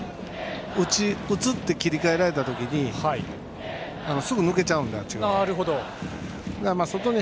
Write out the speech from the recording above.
打つって切り替えられた時にすぐ抜けちゃうので、あっち側に。